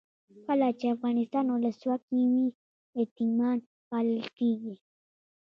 کله چې افغانستان کې ولسواکي وي یتیمان پالل کیږي.